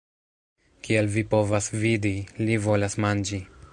Kiel vi povas vidi, li volas manĝi